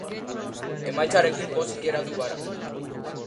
Emaitzarekin pozik geratu gara.